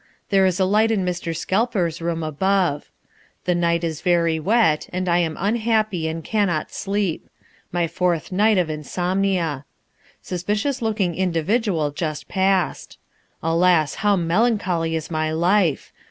There is a light in Mr. Scalper's room above. The night is very wet and I am unhappy and cannot sleep my fourth night of insomnia. Suspicious looking individual just passed. Alas, how melancholy is my life!